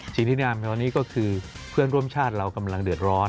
สิ่งที่แนะนำในวันนี้ก็คือเพื่อนร่วมชาติเรากำลังเดือดร้อน